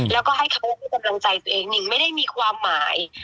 แล้วก็ให้เขาให้กำลังใจตัวเองนิ่งไม่ได้มีความหมาย